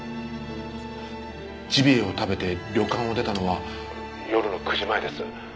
ジビエを食べて旅館を出たのは夜の９時前です。